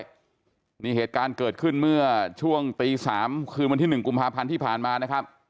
นี่เดี๋ยวงนี้เหตุการณ์เกิดขึ้นเมื่อช่วงตี๓วันที่หนึ่งกภที่ผ่านมานะครับ